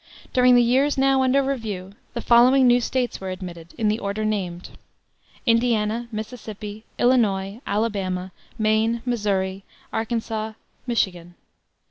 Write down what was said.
During the years now under review, the following new States were admitted, in the order named: Indiana, Mississippi, Illinois, Alabama, Maine, Missouri, Arkansas, Michigan.